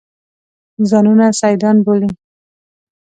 ځانونه سیدان بولي.